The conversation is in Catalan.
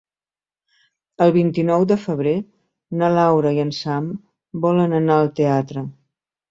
El vint-i-nou de febrer na Laura i en Sam volen anar al teatre.